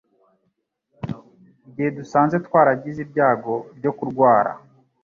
igihe dusanze twaragize ibyago byo kurwara